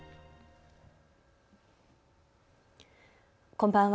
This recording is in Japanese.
こんばんは。